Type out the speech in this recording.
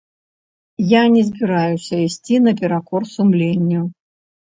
Я не збіраюся ісці наперакор сумленню.